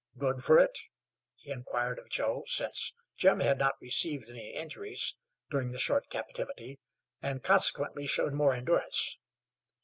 "Good fer it?" he inquired of Joe, since Jim had not received any injuries during the short captivity and consequently showed more endurance.